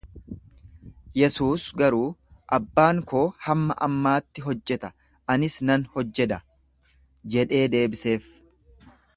Yesuus garuu, Abbaan koo hamma ammaatti hojjeta, anis nan hojjeda jedhee deebiseef.